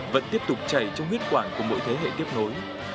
vẫn tiếp tục chảy trong huyết quản của mỗi thế hệ tiếp nối